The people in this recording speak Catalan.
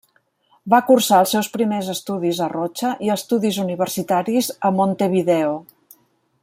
Va cursar els seus primers estudis a Rocha, i estudis universitaris a Montevideo.